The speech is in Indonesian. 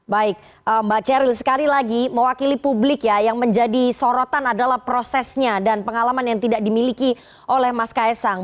baik mbak ceril sekali lagi mewakili publik ya yang menjadi sorotan adalah prosesnya dan pengalaman yang tidak dimiliki oleh mas kaisang